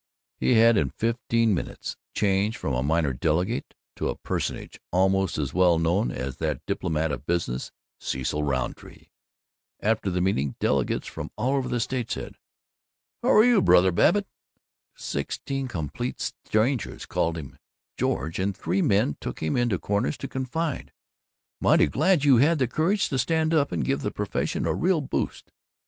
He had in fifteen minutes changed from a minor delegate to a personage almost as well known as that diplomat of business, Cecil Rountree. After the meeting, delegates from all over the state said, "Hower you, Brother Babbitt?" Sixteen complete strangers called him "George," and three men took him into corners to confide, "Mighty glad you had the courage to stand up and give the Profession a real boost.